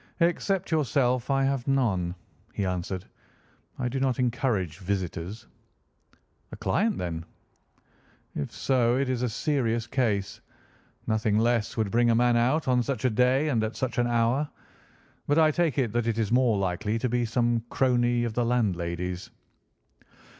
"Except yourself I have none," he answered. "I do not encourage visitors." "A client, then?" "If so, it is a serious case. Nothing less would bring a man out on such a day and at such an hour. But I take it that it is more likely to be some crony of the landlady's."